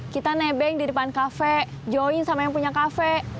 kita nebeng di depan kafe join sama yang punya kafe